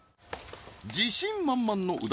自信満々の右團